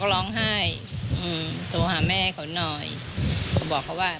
ร้องไห้อืมโทรหาแม่ให้เขาหน่อยบอกเขาว่า